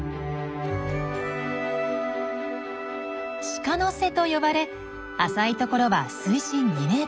「鹿ノ瀬」と呼ばれ浅い所は水深２ｍ。